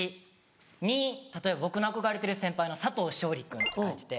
「２」例えば僕の憧れてる先輩の「佐藤勝利君」って書いてて。